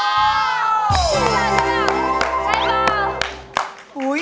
ใช่ป่ะ